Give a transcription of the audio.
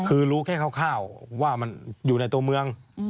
คือรู้แค่คร่าวว่ามันอยู่ในตัวเมือง